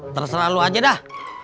terserah lu aja dah